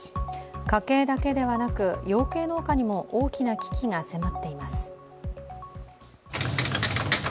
家計だけではなく養鶏農家にも大きな危機が迫っています。